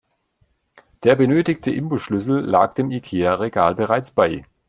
Der benötigte Imbusschlüssel lag dem Ikea-Regal bereits bei.